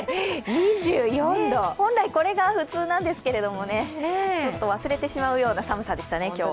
本来これが普通なんですけれども、ちょっと忘れてしまうような寒さでしたね、今日。